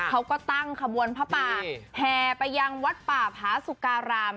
เขาก็ตั้งขบวนพระป่าแห่ไปยังวัดป่าผาสุการาม